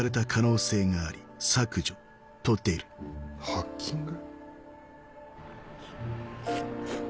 ハッキング？